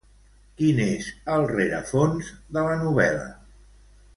Quin és el rerefons de la novel·la?